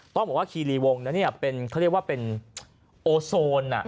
ต้องบอกว่าคีรีวงนั้นเขาเรียกว่าเป็นโอโซน